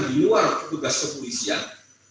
di luar petugas kepolisian